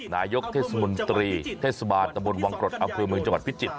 นายกเทศมนตรีเทศบาลตะบนวังกรดอำเภอเมืองจังหวัดพิจิตร